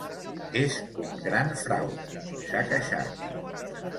És un gran frau, s’ha queixat.